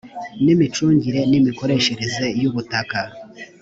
n imicungire n imikoreshereze y ubutaka